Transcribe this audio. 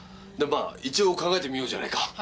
でもまあ一応考えてみようじゃないか。